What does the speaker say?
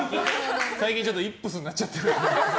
最近ちょっとイップスになっちゃってて。